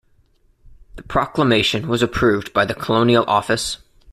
The proclamation was approved by the Colonial Office.